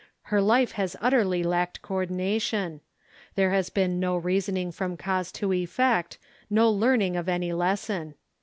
Her life has utterly lacked coordination there has been no reasoning from cause to effect, no learning of any lesson.